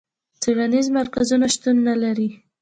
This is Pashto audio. څېړنیز مرکزونه شتون نه لري.